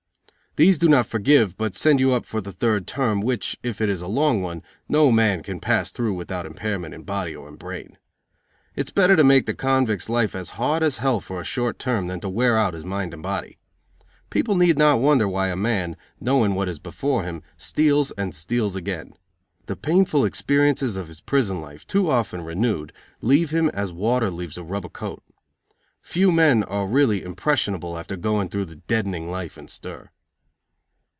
These do not forgive, but send you up for the third term, which, if it is a long one, no man can pass through without impairment in body or in brain. It is better to make the convict's life as hard as hell for a short term, than to wear out his mind and body. People need not wonder why a man, knowing what is before him, steals and steals again. The painful experiences of his prison life, too often renewed, leave him as water leaves a rubber coat. Few men are really impressionable after going through the deadening life in stir.